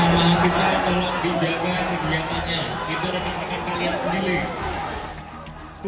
mahasiswa tolong dijaga kegiatannya itu rekan rekan kalian sendiri